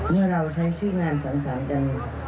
เมื่อเราใช้ชื่องานสังสรรค์กัน